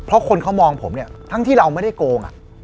เพราะคนเขามองผมเนี่ยทั้งที่เราไม่ได้โกง